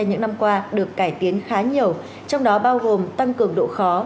những năm qua được cải tiến khá nhiều trong đó bao gồm tăng cường độ khó